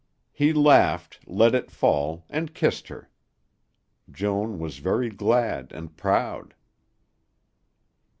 He laughed, let it fall, and kissed her. Joan was very glad and proud.